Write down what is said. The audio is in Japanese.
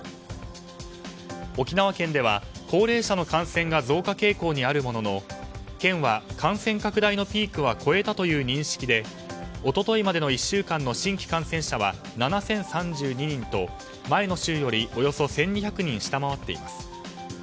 沖縄県では高齢者の感染が増加傾向にあるものの県は感染拡大のピークは超えたという認識で一昨日までの１週間の新規感染者は７０３２人と前の週より、およそ１２００人下回っています。